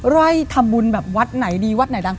ไล่ทำบุญแบบวัดไหนดีวัดไหนดัง